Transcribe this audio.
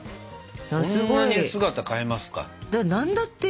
こんなに姿変えますかっていう。